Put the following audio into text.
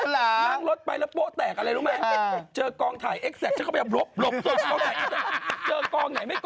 นั่งรถไปแล้วโปะแตกอะไรรู้ไหม